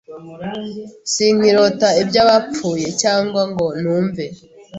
sinkirota iby’abapfuye cyangwa ngo numve